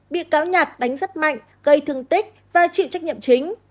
bị cáo nhạt đánh rất mạnh gây thương tích và chịu trách nhiệm chính